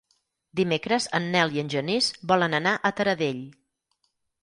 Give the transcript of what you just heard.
Dimecres en Nel i en Genís volen anar a Taradell.